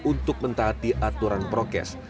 untuk mentahati aturan prokes